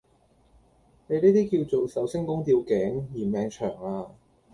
你呢啲叫做壽星公吊頸——嫌命長呀！